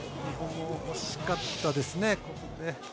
惜しかったですね。